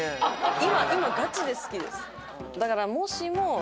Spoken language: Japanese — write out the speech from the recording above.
今ガチで好きです。